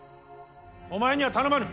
お前には頼まぬ。